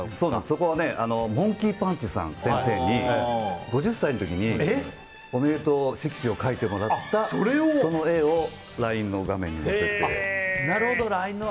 そこはモンキー・パンチ先生に５０歳の時におめでとう色紙を描いてもらったその絵をＬＩＮＥの画面に載せて。